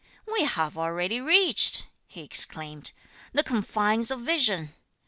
"We have already reached," he exclaimed, "the confines of vision."